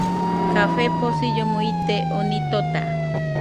Café posillomo ite , oni tota